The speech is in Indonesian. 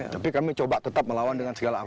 tapi kami coba tetap melawan dengan segala apa